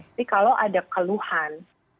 tapi kalau ada keluhan